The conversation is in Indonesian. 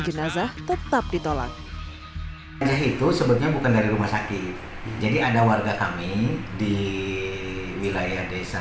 jenazah tetap ditolak itu sebetulnya bukan dari rumah sakit jadi ada warga kami di wilayah desa